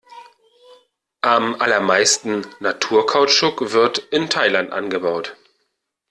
Am allermeisten Naturkautschuk wird in Thailand angebaut.